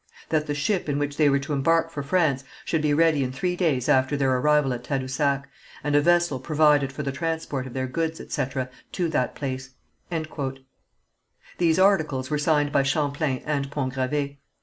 "That the ship in which they were to embark for France should be ready in three days after their arrival at Tadousac, and a vessel provided for the transport of their goods, etc., to that place." These articles were signed by Champlain and Pont Gravé.